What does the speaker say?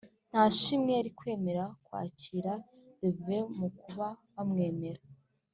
nta shimwe yari kwemera kwakira rivuye mu kuba bamwemera